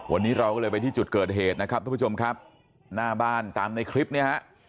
วันนี้เราก็เลยไปที่จุดเกิดเหตุนะครับทุกผู้ชมครับหน้าบ้านตามในคลิปเนี่ยฮะ